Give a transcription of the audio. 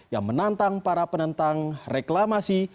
yang menantang para penentang reklamasi